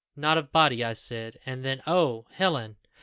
'Not of body,' I said; and then oh, Helen!